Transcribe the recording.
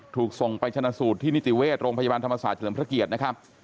ถูกส่งไปชนะสูตรที่นิติเวชโรงพยาบาลธรรมศาสตร์เฉลิมพระเกียรตินะครับ